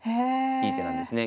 いい手なんですね。